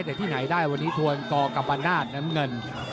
แต่ที่ไหนได้วันนี้ทวนต่อกับบรรดาดน้ำเงิน